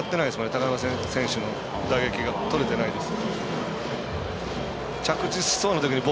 高山選手の打撃がとれてないです。